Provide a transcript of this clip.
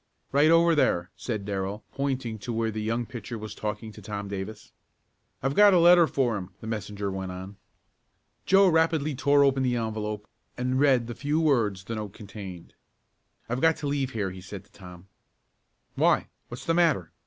"Right over there," said Darrell, pointing to where the young pitcher was talking to Tom Davis. "I've got a letter for him," the messenger went on. Joe rapidly tore open the envelope and read the few words the note contained. "I've got to leave here," he said to Tom. "Why? What's the matter?